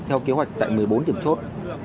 theo kế hoạch tại một mươi bốn điểm chốt